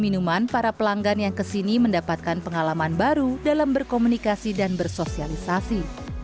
minuman para pelanggan yang kesini mendapatkan pengalaman baru dalam berkomunikasi dan bersosialisasi